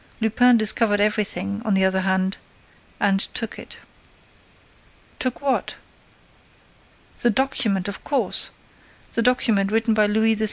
Lupin discovered everything, on the other hand—and took it." "Took what?" "The document, of course! The document written by Louis XVI.